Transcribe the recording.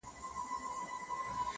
بخیل تندي ته مي زارۍ په اوښکو ولیکلې-